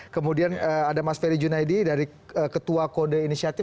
kemudian ada mas ferry junaidi dari ketua kode inisiatif